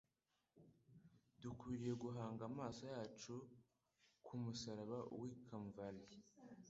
Dukwiriye guhanga amaso yacu ku musaraba w'i Kamvali;